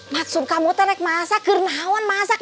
maksud kamu teh nak masak keren naon masak